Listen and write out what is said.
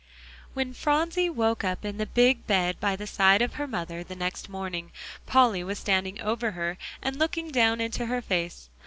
When Phronsie woke up in the big bed by the side of her mother the next morning, Polly was standing over her, and looking down into her face.